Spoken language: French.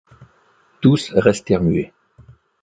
Tous restèrent muets.